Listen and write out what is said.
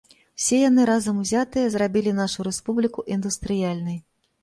Усе яны, разам узятыя, зрабілі нашу рэспубліку індустрыяльнай.